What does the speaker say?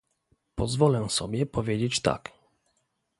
Pozwolę sobie powiedzieć tak